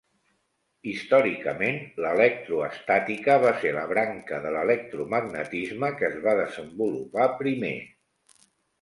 Històricament l'electroestàtica va ser la branca de l'electromagnetisme que es va desenvolupar primer.